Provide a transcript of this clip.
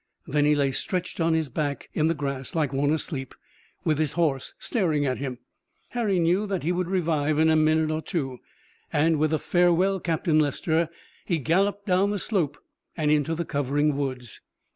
Then he lay stretched on his back in the grass like one asleep, with his horse staring at him. Harry knew that he would revive in a minute or two, and with a "Farewell, Captain Lester," he galloped down the slope and into the covering woods.